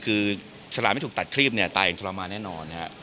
คือชลามไม่ถูกตัดครีบตายกับชลามมากแน่นอนครับ